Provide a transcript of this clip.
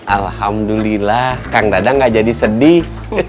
alhamdulillah kang dadang gak jadi sedih